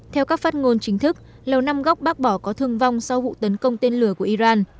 theo các phát ngôn chính thức lầu năm góc bác bỏ có thương vong sau vụ tấn công tên lửa của iran